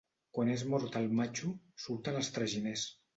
Quan és mort el matxo, surten els traginers.